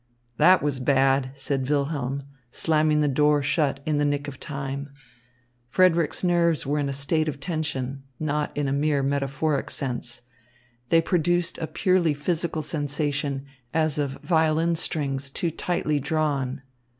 "That was bad," said Wilhelm, slamming the door shut in the nick of time. Frederick's nerves were in a state of tension, not in a mere metaphoric sense. They produced a purely physical sensation, as of violin strings too tightly drawn.